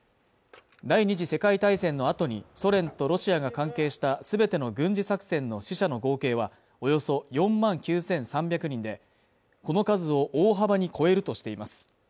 第二次世界大戦の後にソ連とロシアが関係した全ての軍事作戦の死者の合計はおよそ４万９３００人で、この数を大幅に超えるとしています。